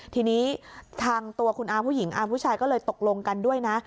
ทีนี้ทางตัวคุณอาผู้หญิงอาผู้ชายก็เลยตกลงกันด้วยนะ